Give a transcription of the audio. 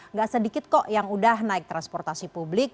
nggak sedikit kok yang udah naik transportasi publik